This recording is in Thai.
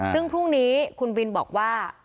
ซึ่งพรุ่งนี้คุณบินบอกว่า